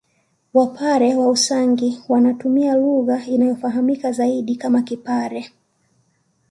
Wapare wa Usangi wanatumia lugha inayofahamika zaidi kama Kipare